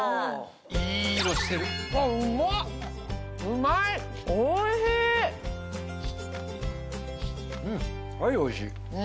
うんはいおいしい。